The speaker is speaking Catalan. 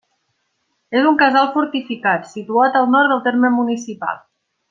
És un casal fortificat, situat al nord del terme municipal.